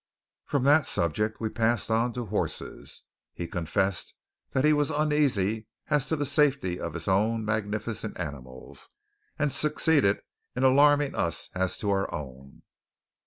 From that subject we passed on to horses. He confessed that he was uneasy as to the safety of his own magnificent animals; and succeeded in alarming us as to our own.